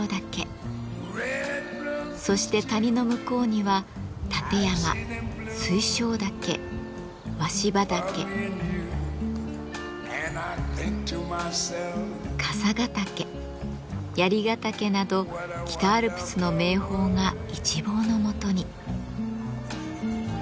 そして谷の向こうには立山水晶岳鷲羽岳笠ヶ岳槍ヶ岳など北アルプスの名峰が一望のもとに。